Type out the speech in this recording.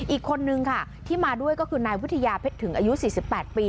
อีกคนนึงค่ะที่มาด้วยก็คือนายวิทยาเพชรถึงอายุ๔๘ปี